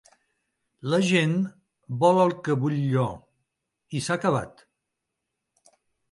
La gent vol el que vull jo, i s'ha acabat.